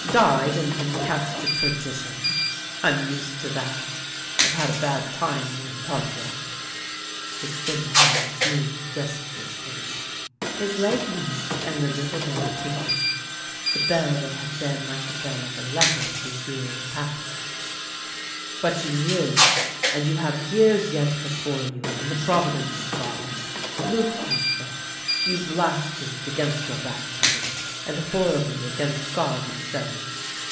" Died, and been cast to perdition !"" Fm used to that ; Fve had a bad time here in Pontiac." His thin hands moved restlessly. His leg moved, 120 THE LANE THAT HAD NO TURNING and the little bell tinkled — the bell that had been like the bell of a leper these years past. " But you live, and you have years yet before you, in the providence of God. Luc Pomfrette, you blas phemed against your baptism, and horribly against God himself.